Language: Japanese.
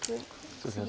そうですね